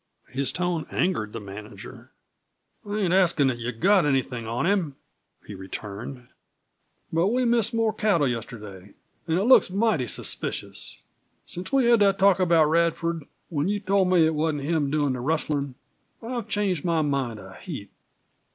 His tone angered the manager. "I ain't askin' if you've got anything on him," he returned. "But we missed more cattle yesterday, an' it looks mighty suspicious. Since we had that talk about Radford, when you told me it wasn't him doin' the rustlin' I've changed my mind a heap.